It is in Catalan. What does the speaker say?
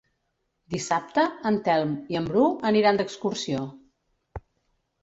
Dissabte en Telm i en Bru aniran d'excursió.